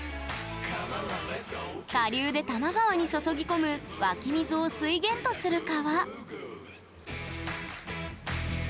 下流で多摩川に注ぎ込む湧き水を水源とする川。